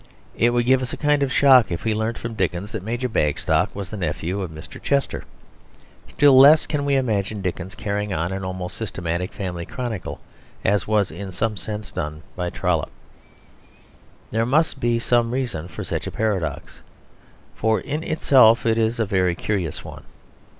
It would give us a kind of shock if we learnt from Dickens that Major Bagstock was the nephew of Mr. Chester. Still less can we imagine Dickens carrying on an almost systematic family chronicle as was in some sense done by Trollope. There must be some reason for such a paradox; for in itself it is a very curious one.